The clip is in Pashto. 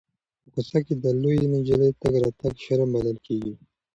په کوڅه کې د لویې نجلۍ تګ راتګ شرم بلل کېږي.